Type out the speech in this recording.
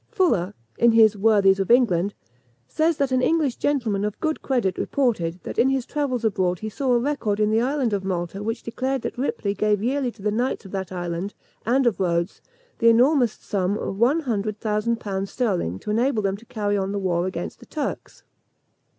Fuller, in his Worthies of England, says that an English gentleman of good credit reported, that in his travels abroad he saw a record in the island of Malta which declared that Ripley gave yearly to the knights of that island, and of Rhodes, the enormous sum of one hundred thousand pounds sterling to enable them to carry on the war against the Turks.